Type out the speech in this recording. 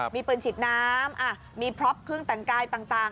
มีปืนฉีดน้ำมีพร็อปเครื่องแต่งกายต่าง